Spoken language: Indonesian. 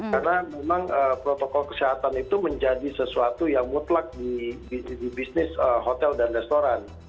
karena memang protokol kesehatan itu menjadi sesuatu yang mutlak di bisnis hotel dan restoran